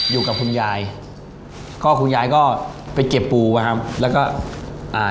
อยู่กับคุณยายก็คุณยายก็ไปเก็บปูอะครับแล้วก็อ่า